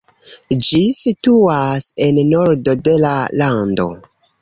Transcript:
Ĝi situas en nordo de la lando.